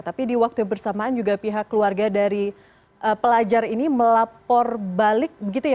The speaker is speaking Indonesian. tapi di waktu yang bersamaan juga pihak keluarga dari pelajar ini melapor balik